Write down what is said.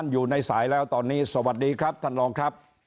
อยู่ในสายแล้วตอนนี้สวัสดีครับท่านรองครับ